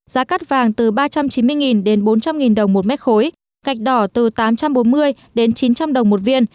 giá cắt vàng từ ba trăm chín mươi đến bốn trăm linh đồng một mét khối gạch đỏ từ tám trăm bốn mươi đến chín trăm linh đồng một viên